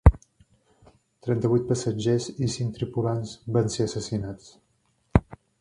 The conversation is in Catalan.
Trenta-vuit passatgers i cinc tripulants van ser assassinats.